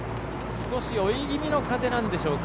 少し追い気味の風なんでしょうか。